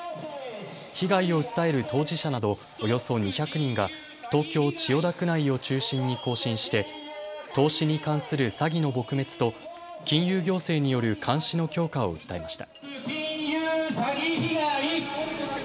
被害を訴える当事者などおよそ２００人が東京千代田区内を中心に行進して投資に関する詐欺の撲滅と金融行政による監視の強化を訴えました。